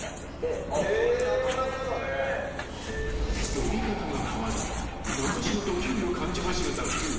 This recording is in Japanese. ［呼び方が変わり中島と距離を感じ始めた風磨］